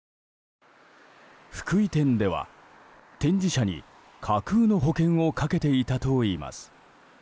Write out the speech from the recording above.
福井店では展示車に架空の保険をかけていたといいます。